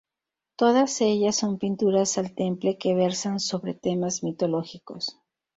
Todas ellas son pinturas al temple que versan sobre temas mitológicos.